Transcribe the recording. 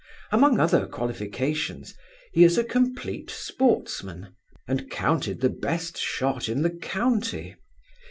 Among other qualifications, he is a complete sportsman, and counted the best shot in the county.